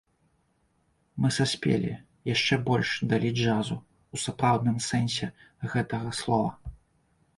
Мы саспелі, яшчэ больш далі джазу, у сапраўдным сэнсе гэтага слова.